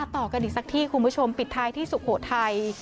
ต่อกันอีกสักที่คุณผู้ชมปิดท้ายที่สุโขทัย